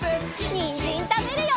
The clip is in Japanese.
にんじんたべるよ！